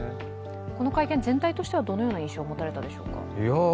この会見、全体としてはどのような印象を持たれたでしょうか。